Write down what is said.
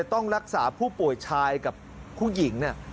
ต้องรักษาผู้ป่วยชายกับผู้หญิง